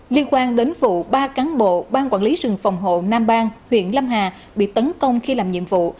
liên quan đến vụ ba cán bộ ban quản lý rừng phòng hộ nam bang huyện lâm hà bị tấn công khi làm nhiệm vụ